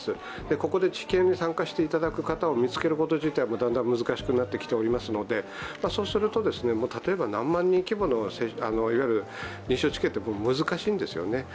ここで治験に参加していただく方を見つけること自体もだんだん難しくなってきていますので、そうすると、例えば何万人規模の臨床治験というのは難しいんですね。